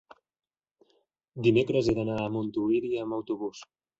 Dimecres he d'anar a Montuïri amb autobús.